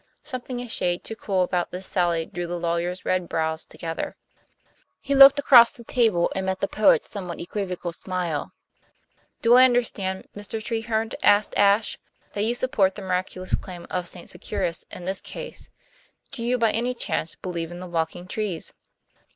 Something a shade too cool about this sally drew the lawyer's red brows together. He looked across the table and met the poet's somewhat equivocal smile. "Do I understand, Mr. Treherne," asked Ashe, "that you support the miraculous claims of St. Securis in this case. Do you, by any chance, believe in the walking trees?"